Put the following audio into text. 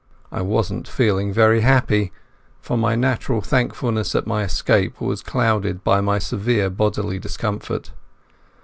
I wasn't feeling very happy, for my natural thankfulness at my escape was clouded by my severe bodily discomfort.